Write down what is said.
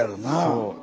そう。